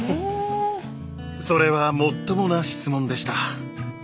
それはもっともな質問でした。